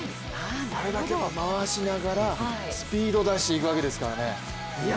あれだけ回しながらスピードを出していくわけですからね。